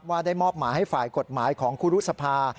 ได้มอบหมายให้ฝ่ายกฎหมายของครูรุษภา